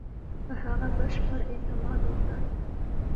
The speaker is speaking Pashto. په هغه بشپړ اعتماد وکړ.